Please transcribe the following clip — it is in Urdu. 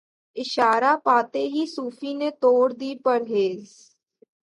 اشارہ پاتے ہی صوفی نے توڑ دی پرہیز